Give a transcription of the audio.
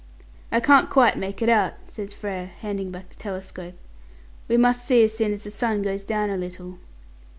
"I can't quite make it out," says Frere, handing back the telescope. "We can see as soon as the sun goes down a little."